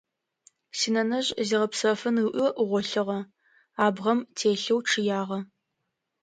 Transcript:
Синэнэжъ зигъэпсэфын ыӏуи гъолъыгъэ, абгъэм телъэу чъыягъэ.